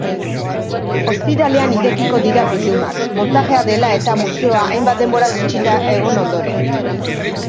Ostiralean irekiko dira bildumak, montajea dela-eta museoa hainbat denboraz itxita egon ondoren.